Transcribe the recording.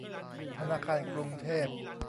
ธนาคารกรุงเทพ